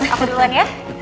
aku duluan ya